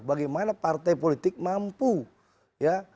bagaimana partai politik mampu ya